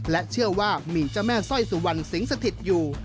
และเชื่อว่ามีเจ้าแม่สร้อยสุวรรณสิงสถิตอยู่